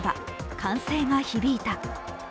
歓声が響いた。